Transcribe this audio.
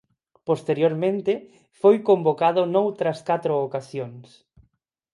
Posteriormente foi convocado noutras catro ocasións.